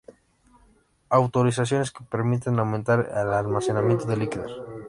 autorizaciones que permiten aumentar el almacenamiento de líquidos